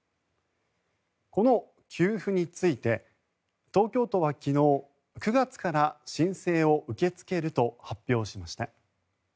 この給付について東京都は昨日９月から申請を受け付けると発表しました。